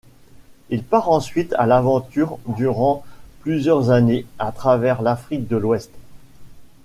Il part ensuite a l'aventure, durant plusieurs années, à travers l'Afrique de l'ouest.